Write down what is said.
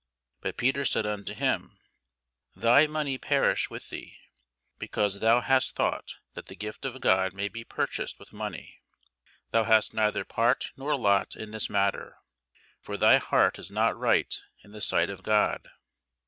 But Peter said unto him, Thy money perish with thee, because thou hast thought that the gift of God may be purchased with money. Thou hast neither part nor lot in this matter: for thy heart is not right in the sight of God.